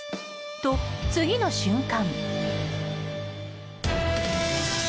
と、次の瞬間。